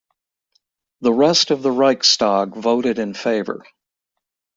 The rest of the Reichstag voted in favour.